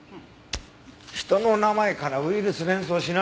人の名前からウイルス連想しないの。